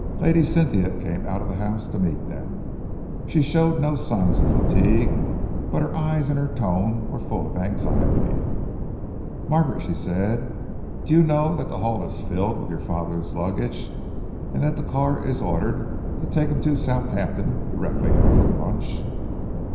Lady Cynthia came out of the house to meet them. She showed no signs of fatigue, but her eyes and her tone were full of anxiety. "Margaret," she cried, "do you know that the hall is filled with your father's luggage, and that the car is ordered to take him to Southampton directly after lunch?"